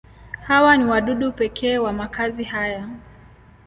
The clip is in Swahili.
Hawa ni wadudu pekee wa makazi haya.